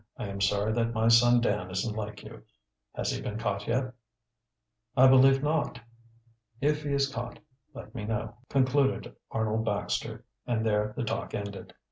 I am sorry that my son Dan isn't like you. Has he been caught yet?" "I believe not." "If he is caught, let me know," concluded Arnold Baxter, and there the talk ended.